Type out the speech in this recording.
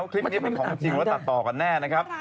คลิปนี้เป็นของจริงแล้วตัดต่อกันแน่นะครับ